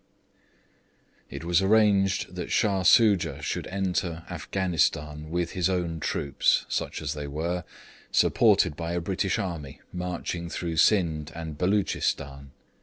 It was arranged that Shah Soojah should enter Afghanistan with his own troops, such as they were, supported by a British army marching through Scinde and Beloochistan.